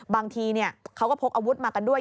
บางทีเขาก็พกอาวุธมากันด้วย